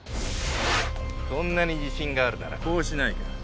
そんなに自信があるならこうしないか？